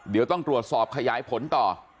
เดี๋ยวต้องตรวจสอบขยายผลต่อ